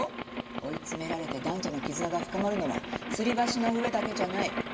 追い詰められて男女の絆が深まるのはつり橋の上だけじゃない。